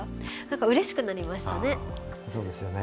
うれしくなりましたね。